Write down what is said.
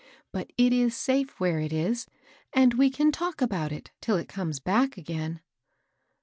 But it is safe where it is, and we 'Can talk about it till it comes ba<^ again."